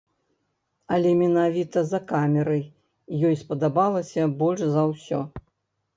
Але менавіта за камерай ёй спадабалася больш за ўсё.